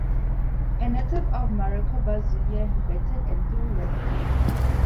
A native of Maracaibo Zulia, he batted and threw left-handed.